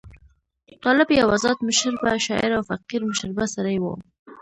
طالب یو آزاد مشربه شاعر او فقیر مشربه سړی وو.